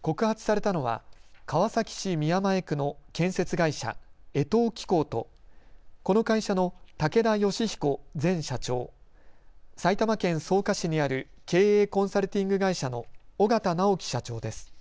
告発されたのは川崎市宮前区の建設会社、江藤機工とこの会社の武田芳彦前社長、埼玉県草加市にある経営コンサルティング会社の小形尚己社長です。